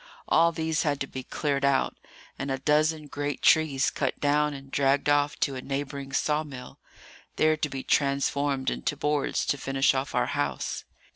All these had to be cleared out, and a dozen great trees cut down and dragged off to a neighbouring saw mill, there to be transformed into boards to finish off our house.